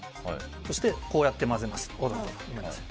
そして、こうやって混ぜます。